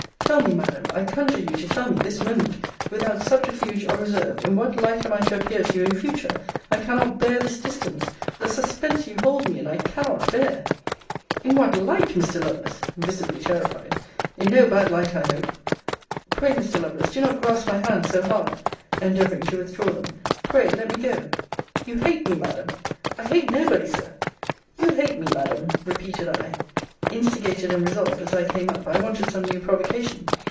Tell me, Madam, I conjure you to tell me, this moment, without subterfuge or reserve, in what light am I to appear to you in future? I cannot bear this distance. The suspense you hold me in I cannot bear. 'In what light, Mr. Lovelace! [visibly terrified.] In no bad light, I hope. Pray, Mr. Lovelace, do not grasp my hands so hard [endeavouring to withdraw them.] Pray let me go. 'You hate me, Madam 'I hate nobody, Sir 'You hate me, Madam, repeated I. 'Instigated and resolved, as I came up, I wanted some new provocation.